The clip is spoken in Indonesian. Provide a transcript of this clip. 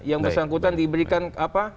yang bersangkutan diberikan apa